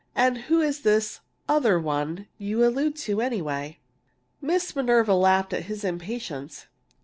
And who is this 'other one' you allude to, anyway?" Miss Minerva laughed at his impatience.